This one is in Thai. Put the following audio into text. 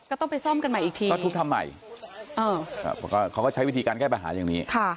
ก็ต้องไปซ่อมกันใหม่อีกทีก็ทุบทำใหม่เขาก็ใช้วิธีการแก้ปัญหาอย่างนี้